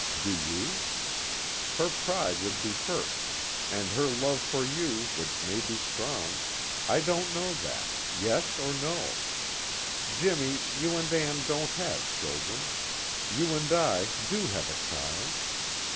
(Do you?) Her pride would be hurt, and her love for you, which may be strong I don't know that, yes or no. Jimmy, you and Ann don't have children. You and I do have a child.